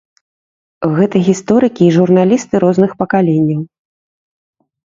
Гэта гісторыкі і журналісты розных пакаленняў.